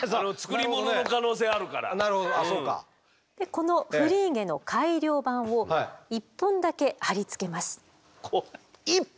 このフリーゲの改良版を１本だけ貼り付けます。